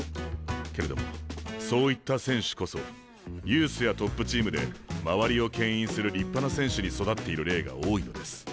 けれどもそういった選手こそユースやトップチームで周りをけん引する立派な選手に育っている例が多いのです。